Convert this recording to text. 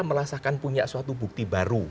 merasakan punya suatu bukti baru